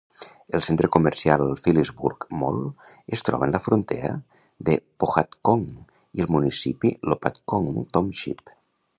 El centre comercial Phillipsburg Mall es troba en la frontera de Pohatcong i el municipi Lopatcong Township.